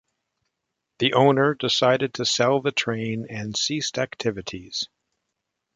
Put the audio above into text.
The owner decided to sell the train and ceased activities.